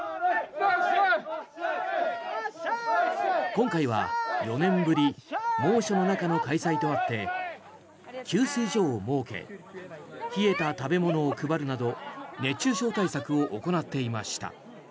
今回は４年ぶり猛暑の中の開催とあって給水所を設け冷えた食べ物を配るなど熱中症対策を行っていました。